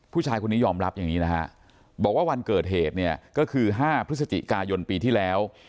ผู้ชายคนนี้ยอมรับอย่างนี้นะฮะบอกว่าวันเกิดเหตุเนี่ยก็คือ๕พฤศจิกายนปีที่แล้ว